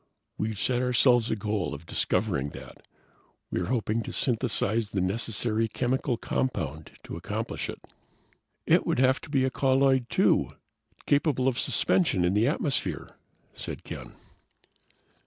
"We've set ourselves the goal of discovering that. We're hoping to synthesize the necessary chemical compound to accomplish it." "It would have to be a colloid, too, capable of suspension in the atmosphere," said Ken.